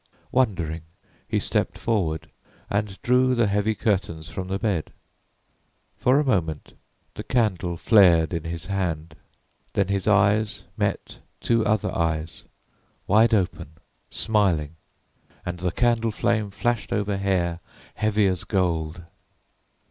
Wondering, he stepped forward and drew the heavy curtains from the bed. For a moment the candle flared in his hand; then his eyes met two other eyes, wide open, smiling, and the candle flame flashed over hair heavy as gold.